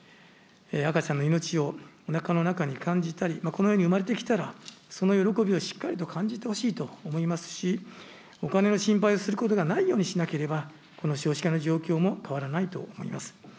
赤ちゃんの命をおなかの中に感じたり、この世に生まれてきたら、その喜びをしっかり感じてほしいと思いますし、お金の心配をすることがないようにしなければ、この少子化の状況も変わらないと思います。